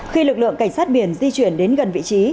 khi lực lượng cảnh sát biển di chuyển đến gần vị trí